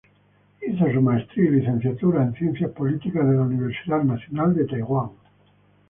Hizo su maestría y licenciatura en ciencias políticas de la Universidad Nacional de Taiwán.